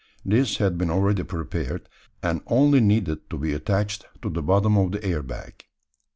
This had been already prepared; and only needed to be attached to the bottom of the air bag.